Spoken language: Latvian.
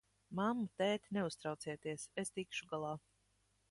Mammu, tēti, neuztraucieties, es tikšu galā!